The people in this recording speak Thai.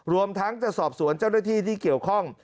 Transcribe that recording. รวมทั้งจะสอบสวนเจ้าหน้าที่ที่เกี่ยวข้อง